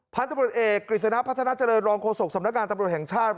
พันธุ์ตำรวจเอกกฤษณะพัฒนาเจริญรองโฆษกสำนักงานตำรวจแห่งชาติ